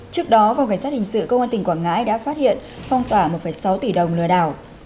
trước đó phòng cảnh sát hình sự công an tỉnh quảng ngãi đã phát hiện phong tỏa một sáu tỷ đồng lừa đảo